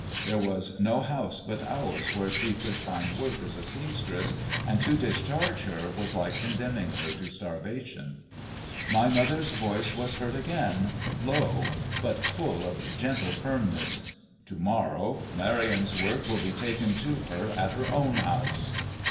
There was no house but ours where she could find work as a seamstress, and to discharge her was like condemning her to starvation. My mother's voice was heard again, low, but full of gentle firmness. "To morrow Marion's work will be taken to her at her own house."